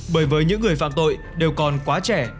bởi với những người phạm tội đều còn quá trẻ